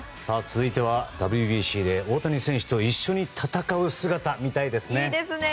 続いてはＷＢＣで大谷選手と一緒に戦う姿が見たいですね。